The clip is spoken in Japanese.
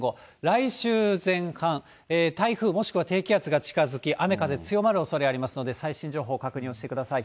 来週前半、台風もしくは低気圧が近づき、雨風強まるおそれありますので、最新情報、確認をしてください。